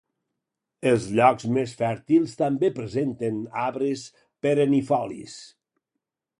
Els llocs poc fèrtils també presenten arbres perennifolis.